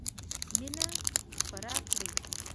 مينه خپره کړئ.